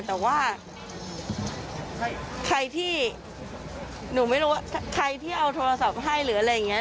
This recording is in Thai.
แต่ว่าใครที่เอาโทรศัพท์ให้หรืออะไรอย่างนี้